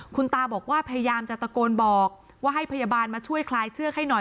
คุณตาบอกว่าพยายามจะตะโกนบอกว่าให้พยาบาลมาช่วยคลายเชือกให้หน่อย